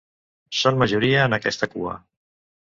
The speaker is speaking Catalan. Són majoria en aquesta cua.